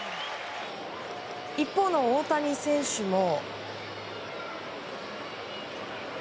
一方の大谷選手も。